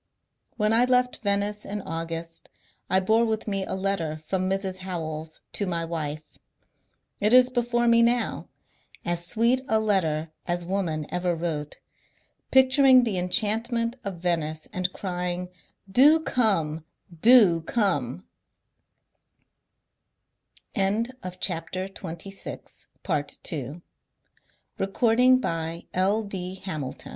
When I left Venice in August I bore with me a letter from Mrs. Howells to my wife — it is before me now, as sweet a letter as woman ever wrote — picturing the enchantment of Venice and crying, '^ Do come, do come I " CHAPTER XXVn AiriTal of my family in England — Interrie